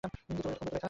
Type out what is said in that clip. এটা কোন বইতে লেখা?